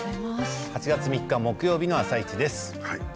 ８月３日木曜日の「あさイチ」です。